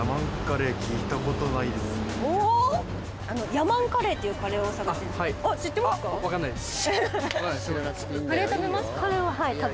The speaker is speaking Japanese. ｙａｍａｎカレーっていうカレー屋を捜してんですが知ってますか分かんないです